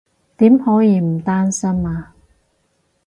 點可以唔擔心啊